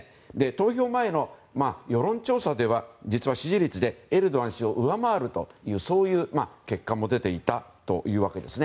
投票前の世論調査では実は、支持率でエルドアン氏を上回るという結果も出ていたんです。